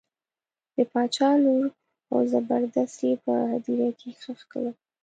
د باچا لور او زبردست یې په هدیره کې ښخ کړل.